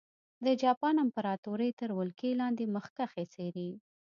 د جاپان امپراتورۍ تر ولکې لاندې مخکښې څېرې.